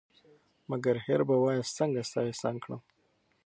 مگر هېر به وایه څنگه ستا احسان کړم